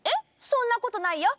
そんなことないよ！